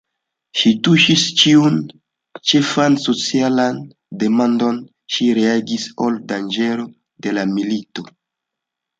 Ŝi tuŝis ĉiujn ĉefajn socialajn demandojn, ŝi reagis al danĝero de la milito.